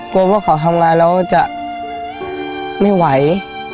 ว่าเขาทำงานแล้วจะไม่ไหว